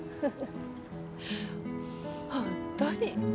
本当に。